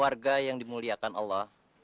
warga yang dimuliakan allah